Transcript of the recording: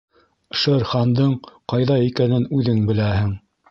Шер Хандың ҡайҙа икәнен үҙең беләһең.